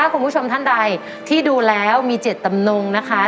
คุณผู้ชมท่านใดที่ดูแล้วมีเจ็ดตำนงนะคะ